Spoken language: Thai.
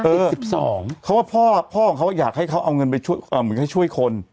เพราะว่าพ่อเขาอยากให้เขาเอาเงินไปช่วยคน